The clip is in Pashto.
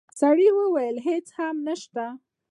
سړی وویل: هیڅ هم نشته.